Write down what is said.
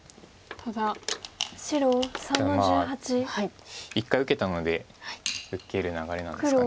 ただまあ一回受けたので受ける流れなんですかね。